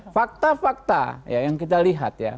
fakta fakta yang kita lihat ya